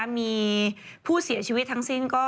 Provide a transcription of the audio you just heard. มีผู้เสียชีวิตทั้งสิ้น